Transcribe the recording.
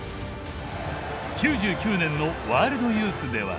９９年のワールドユースでは。